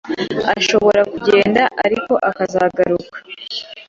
ashobora kugenda ariko akazagaruka